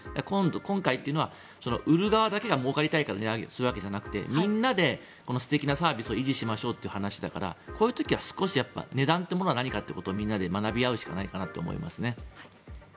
今回というのは売る側だけがもうかりたいから値上げするわけじゃなくてみんなでこの素敵なサービスを維持しましょうっていうことだからこういう時は少し値段というものは何かということをみんなで学び合うしかないかなと思いますね。